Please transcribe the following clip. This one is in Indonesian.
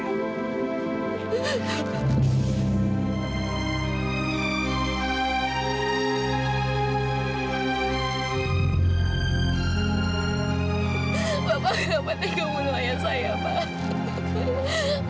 bapak kenapa tidak menolong ayah saya pak